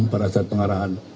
para satu pengarahan